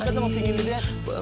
kita mau pingin dia